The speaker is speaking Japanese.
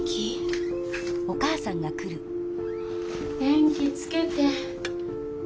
電気つけて。